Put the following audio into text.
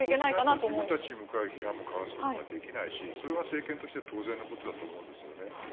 そうすると自分たちに向かう批判もかわすことができないしそれが政権として当然のことだと思うんですよね。